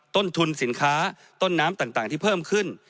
ต้นทุนสินค้าต้นน้ำต่างที่เพิ่มขึ้น